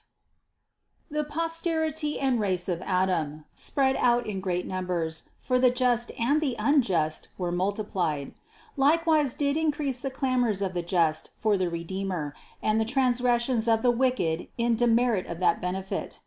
164. The posterity and race of Adam spread out in great numbers, for the just and the unjust were multi plied; likewise did increase the clamors of the just for the Redeemer, and the transgressions of the wicked in demerit of that benefit.